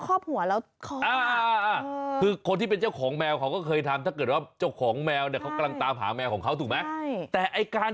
โอ้โหใครจะเชื่อ